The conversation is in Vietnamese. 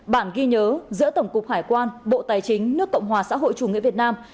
một mươi tám bản ghi nhớ giữa tổng cục hải quan bộ tài chính nước cộng hòa xã hội chủ nghĩa việt nam